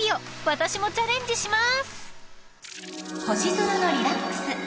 ［私もチャレンジしまーす］